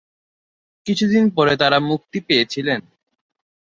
কিছুদিন পরে তারা মুক্তি পেয়েছিলেন।